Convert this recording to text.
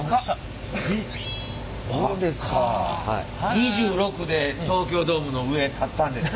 ２６で東京ドームの上立ったんですか。